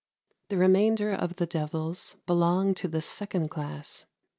The remainder of the devils belong to the second class.